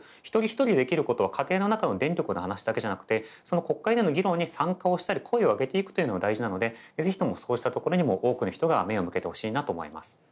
一人一人できることは家庭の中の電力の話だけじゃなくてその国会での議論に参加をしたり声を上げていくというのは大事なので是非ともそうしたところにも多くの人が目を向けてほしいなと思います。